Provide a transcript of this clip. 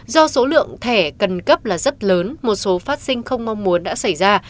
do số lượng thẻ cần cấp là rất lớn một số phát sinh không mong muốn đã xảy ra